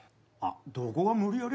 どこが無理やりやて。